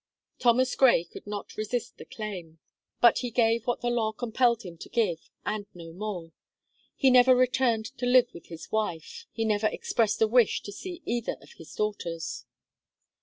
Thomas Gray could not resist the claim; but he gave what the law compelled him to give, and no more. He never returned to live with his wife; he never expressed a wish to see either of his daughters.